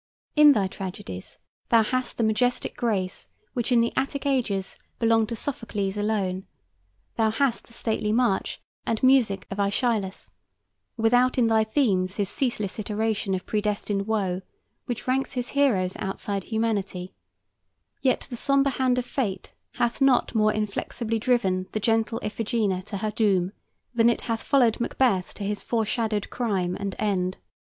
In thy tragedies thou hast the majestic grace which in the Attic ages belonged to Sophocles alone; thou hast the stately march and music of Aeschylus, without in thy themes his ceaseless iteration of predestined woe which ranks his heroes outside humanity; yet the sombre hand of fate hath not more inflexibly driven the gentle Iphigenia to her doom than it hath followed Macbeth to his foreshadowed crime and end.